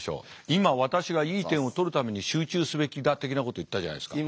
今私がいい点をとるために集中すべきだ的なこと言ったじゃないですか。